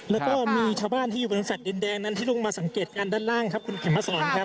แล้วก็มีชาวบ้านที่อยู่บนแฟลตดินแดงนั้นที่ลงมาสังเกตการณด้านล่างครับคุณเข็มมาสอนครับ